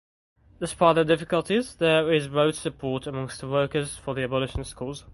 Despite their difficulties there is broad support amongst the workers for the Abolitionist cause.